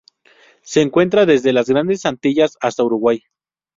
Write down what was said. Se encuentra desde las Grandes Antillas hasta Uruguay.